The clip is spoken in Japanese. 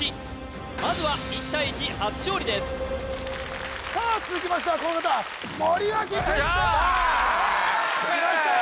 まずは１対１初勝利ですさあ続きましてはこの方森脇健児さんきましたよ